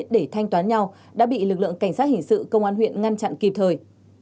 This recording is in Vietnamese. để thanh toán nhau đã bị lực lượng cảnh sát hình sự công an huyện ngăn chặn kịp thời